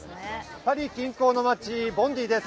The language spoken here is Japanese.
パリ近郊の町ボンディです。